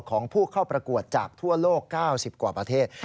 ของผู้เข้าประกวดจากทั่วโลก๙๐กว่าประเทศ